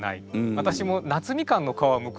私も夏みかんの皮をむくのかなと。